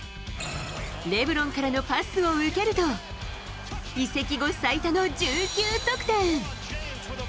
レブロンからのパスを受けると、移籍後最多の１９得点。